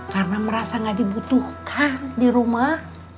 karena merasa nggak dibutuhkan di rumah